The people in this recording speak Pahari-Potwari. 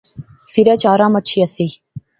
سریچ ارام اچھی ایسی